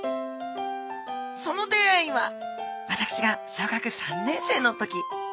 その出会いは私が小学３年生の時。